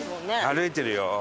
歩いてるよ。